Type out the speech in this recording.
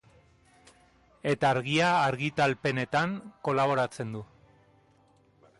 Eta Argia argitalpenetan kolaboratzen du.